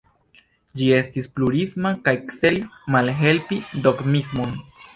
Ĝi estis plurisma kaj celis malhelpi dogmismon.